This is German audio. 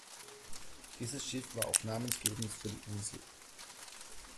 Dieses Schiff war auch namensgebend für die Insel.